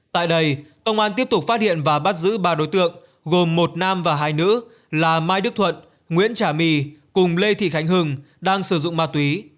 tại đây công an tiếp tục phát hiện và bắt giữ ba đối tượng gồm một nam và hai nữ là mai đức thuận nguyễn trả my cùng lê thị khánh hưng đang sử dụng ma túy